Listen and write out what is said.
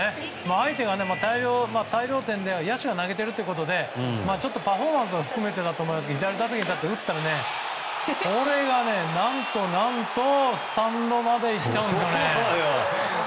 相手が大量点で野手が投げているということでちょっとパフォーマンスを含めてだと思いますけど左打席に入って、打ったらこれが何と何とスタンドまでいっちゃうんですよね。